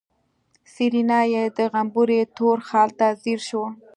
سېرېنا يې د غومبري تور خال ته ځير شوه.